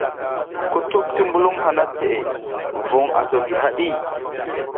Kutuɓ ti mbulum hana teʼe vun asa gi haɗi.